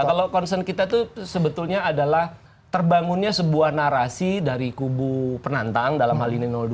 kalau concern kita itu sebetulnya adalah terbangunnya sebuah narasi dari kubu penantang dalam hal ini dua